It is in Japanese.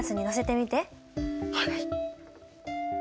はい。